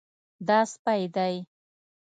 دا سپی دی